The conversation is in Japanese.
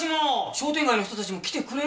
商店街の人たちも来てくれるわよ。